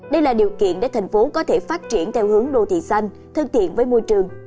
đây là điều kiện để thành phố có thể phát triển theo hướng đô thị xanh thân thiện với môi trường